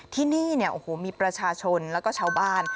ที่นี่เนี่ยโอ้โหมีประชาชนแล้วก็ชาวบ้าน